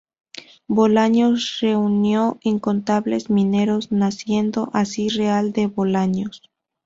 Bolaños reunió incontables mineros, naciendo así Real de Bolaños.